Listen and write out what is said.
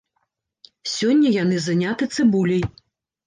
Сёння яны заняты цыбуляй.